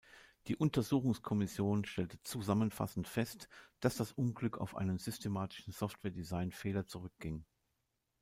Die Untersuchungskommission stellte zusammenfassend fest, dass das Unglück auf einen „systematischen Software-Designfehler“ zurückging.